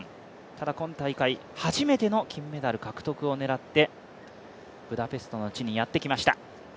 ただ今大会、初めての金メダル獲得を狙ってブダペストの地にやってきました。